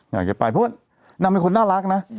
อยากจะไปเพราะว่านางเป็นคนน่ารักนะ